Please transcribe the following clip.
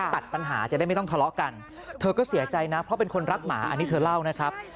ตัดปัญหาจะได้ไม่ต้องทะเลาะกันเธอก็เสียใจนะเพราะเป็นคนรักหมาอันนี้เธอเล่านะครับ